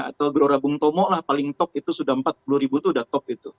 atau gelora bung tomo lah paling top itu sudah empat puluh ribu itu udah top gitu